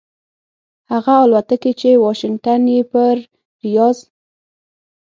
هغه الوتکې چې واشنګټن یې پر ریاض